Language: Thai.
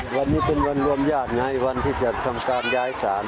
วันนี้เป็นวันรวมญาติไงวันที่จะทำการย้ายศาล